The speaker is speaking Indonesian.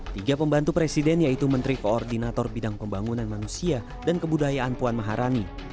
tiga pembantu presiden yaitu menteri koordinator bidang pembangunan manusia dan kebudayaan puan maharani